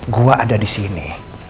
gue ada disini